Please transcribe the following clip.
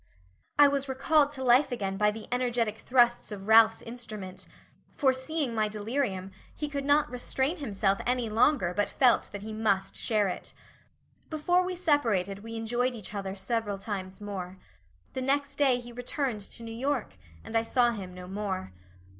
I was recalled to life again by the energetic thrusts of Ralph's instrument for seeing my delirium, he could not restrain himself any longer but felt that he must share it. Before we separated we enjoyed each other several times more. The next day he returned to New York and I saw him no more.